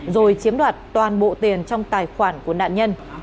rồi chiếm đoạt toàn bộ tiền trong tài khoản của nạn nhân